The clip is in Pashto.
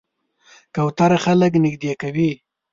کوتره خلک نږدې کوي.